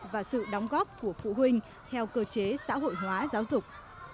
và sự đóng góp của phụ huynh theo cơ chế xã hội hóa giáo dục